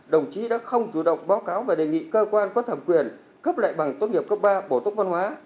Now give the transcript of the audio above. đồng chí đã không chủ động báo cáo và đề nghị cơ quan quất hợp quyền cấp lại bằng tốt nghiệp cấp ba bổ tốc văn hóa